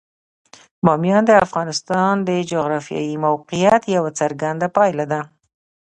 بامیان د افغانستان د جغرافیایي موقیعت یوه څرګنده پایله ده.